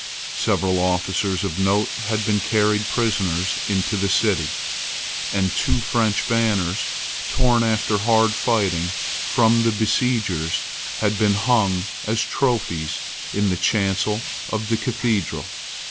Several officers of note had been carried prisoners into the city; and two French banners, torn after hard fighting from the besiegers, had been hung as trophies in the chancel of the Cathedral.